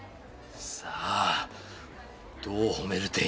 さあどう褒める？